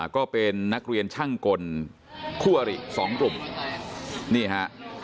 ก็เป็นนักเรียนช่างกลคู่อริสองกลุ่มนี่ฮะ